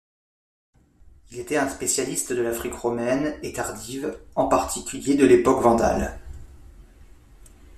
Il était un spécialiste de l'Afrique romaine et tardive, en particulier de l'époque vandale.